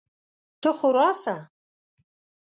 ته خو راسه!